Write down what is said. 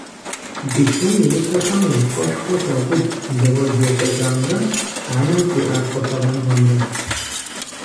Бицум и усэхэм увыпӀэшхуэ щаубыд зауэжь екӀуэкӀамрэ анэм хуиӀэ фӀылъагъуныгъэмрэ.